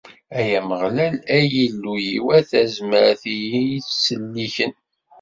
Ay Ameɣlal, ay Illu-iw, a tezmert i iyi-ittselliken.